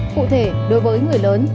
cụ thể đối với người lớn